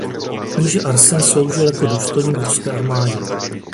Kníže Arsen sloužil jako důstojník v ruské armádě.